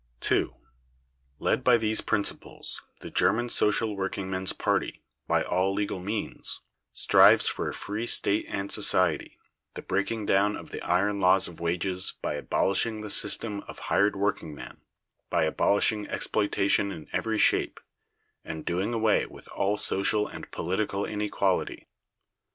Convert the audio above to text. II. Led by these principles, the German Social Workingmen's party, by all legal means, strives for a free state and society, the breaking down of the iron laws of wages by abolishing the system of hired workingmen, by abolishing exploitation in every shape, and doing away with all social and political inequality.